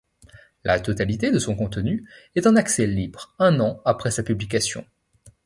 La totalité de son contenu est en accès libre un an après sa publication.